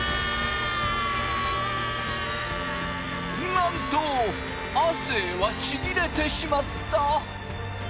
なんと亜生はちぎれてしまった。